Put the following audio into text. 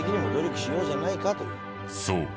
そう。